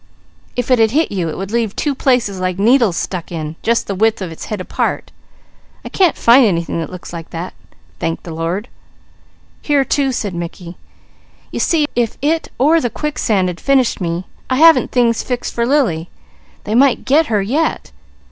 "If it had hit you, it would leave two places like needles stuck in, just the width of its head apart. I can't find any thing that looks like it, thank the Lord!" "Here too!" said Mickey. "You see if it or the quicksands had finished me, I haven't things fixed for Lily. They might 'get' her yet.